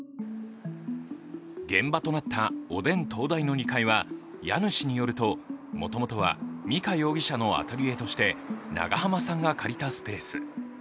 現場となったおでん東大の２階は、家主によるともともとは美香容疑者のアトリエとして長濱さんが借りたスペース。